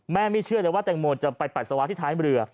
แม่ไม่เชื่อเลยว่าแตงโมลจะไปปัจจักรเวลาที่สามารถมาเรือ